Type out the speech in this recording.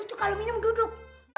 lu tuh kalo minum duduk